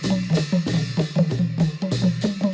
โอ้โห